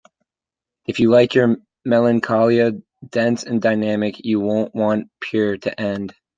If you like your melancholia dense and dynamic, you won't want "Pure" to end.